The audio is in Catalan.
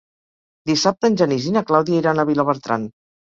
Dissabte en Genís i na Clàudia iran a Vilabertran.